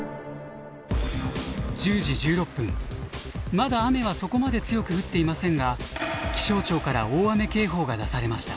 まだ雨はそこまで強く降っていませんが気象庁から大雨警報が出されました。